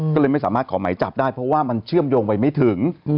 ก็เลยไม่สามารถขอหมายจับได้เพราะว่ามันเชื่อมโยงไปไม่ถึง